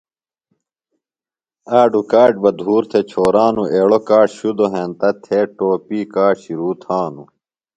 آڈو کاڇ بہ دھور تھے چھورانو ایڑو کاڇ شدو ہینتہ تھے ٹوپی کاڇ شرو تھانو ۔